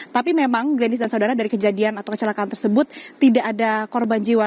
tapi memang glennis dan saudara dari kejadian atau kecelakaan tersebut tidak ada korban jiwa